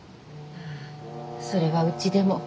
あぁそれはうちでも。